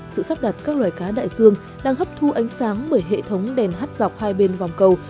sự sắp đặt các loài cá đại dương đang hấp thu ánh sáng bởi hệ thống đèn hắt dọc hai bên vòng cầu